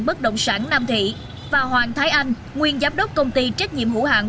bất động sản nam thị và hoàng thái anh nguyên giám đốc công ty trách nhiệm hữu hạng